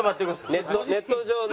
ネット上の。